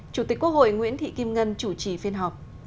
chủ tịch quốc hội nguyễn thị kim ngân chủ trì phiên họp